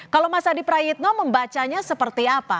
kalau mas adi prayitno membacanya seperti apa